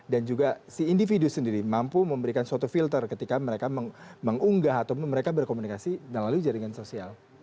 dan juga si individu sendiri mampu memberikan suatu filter ketika mereka mengunggah atau mereka berkomunikasi melalui jaringan sosial